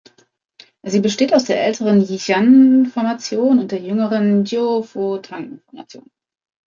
Sie besteht aus der älteren "Yixian-Formation" und der jüngeren "Jiufotang-Formation".